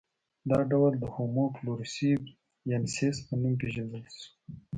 دا ډول د هومو فلورسي ینسیس په نوم پېژندل شو.